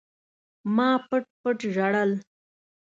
ما پټ پټ ژړل.